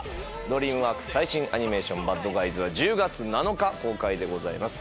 ドリームワークス最新アニメーション『バッドガイズ』は１０月７日公開でございます。